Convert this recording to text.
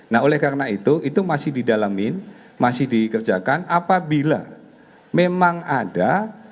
nah oleh karena itu itu masih didalamin masih dikerjakan apabila memang ada